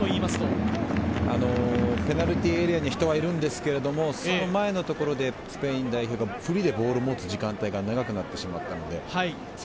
ペナルティーエリアに人はいるんですけれど、その前のところでスペイン代表がフリーでボールを持つ時間帯が長くなってしまった。